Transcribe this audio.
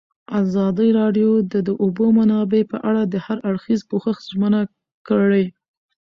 ازادي راډیو د د اوبو منابع په اړه د هر اړخیز پوښښ ژمنه کړې.